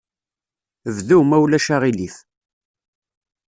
Bdu, ma ulac aɣilif.